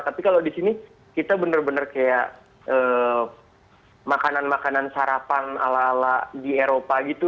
tapi kalau di sini kita benar benar kayak makanan makanan sarapan ala ala di eropa gitu